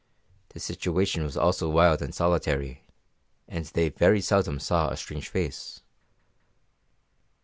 The situation was also wild and solitary, and they very seldom saw a strange face.